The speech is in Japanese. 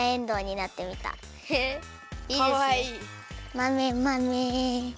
まめまめ。